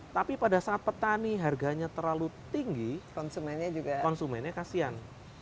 tapi pada saat petani harganya terlalu tinggi konsumennya kasihan